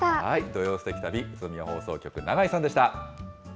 土曜すてき旅、宇都宮放送局、長井さんでした。